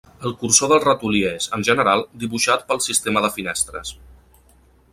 El cursor del ratolí és, en general, dibuixat pel sistema de finestres.